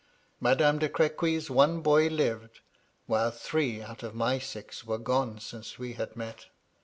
Madame de Crequy 's one boy lived; while three out of my six were gone since we had met